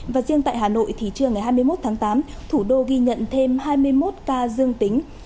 và riêng tại hà nội thì trưa ngày hai mươi một tháng tám thủ đô ghi nhận thêm hai mươi một ca dương tính